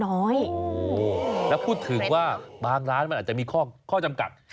โอ้โหแล้วพูดถึงว่าบางร้านมันอาจจะมีข้อจำกัด